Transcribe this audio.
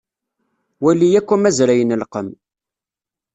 Wali akk amazray n lqem.